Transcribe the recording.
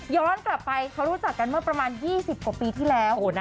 กลับไปเขารู้จักกันเมื่อประมาณ๒๐กว่าปีที่แล้ว